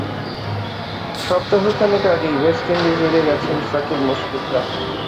সপ্তাহখানেক আগেই West Indies উড়ে গেছেন সাকিব মুশফিকরা।